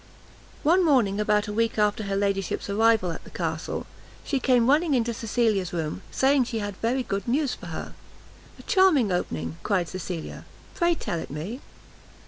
One morning about a week after her ladyship's arrival at the castle, she came running into Cecilia's room, saying she had very good news for her. "A charming opening!" cried Cecilia, "pray tell it me."